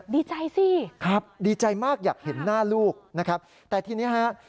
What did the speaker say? ดีใจสิครับดีใจมากอยากเห็นหน้าลูกนะครับแต่ทีนี้ฮะ